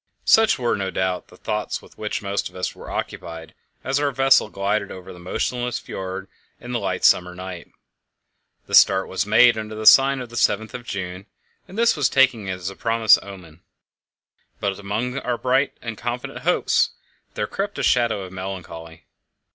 Such were, no doubt, the thoughts with which most of us were occupied as our vessel glided over the motionless fjord in the light summer night. The start was made under the sign of the Seventh of June, and this was taken as a promising omen; but among our bright and confident hopes there crept a shadow of melancholy.